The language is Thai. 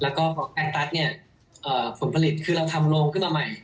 แล้วก็แอนตัสเนี่ยผลผลิตคือเราทำโรงขึ้นมาใหม่